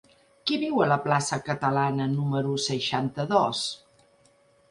Qui viu a la plaça Catalana número seixanta-dos?